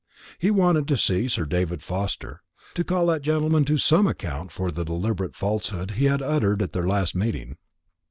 He wanted to see Sir David Forster, to call that gentleman to some account for the deliberate falsehood he had uttered at their last meeting.